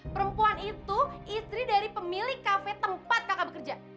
perempuan itu istri dari pemilik kafe tempat kakak bekerja